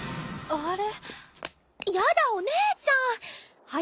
あれ？